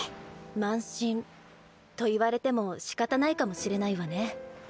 慢心と言われてもしかたないかもしれないわね。